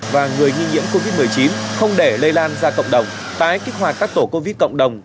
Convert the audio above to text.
và người nghi nhiễm covid một mươi chín không để lây lan ra cộng đồng tái kích hoạt các tổ covid cộng đồng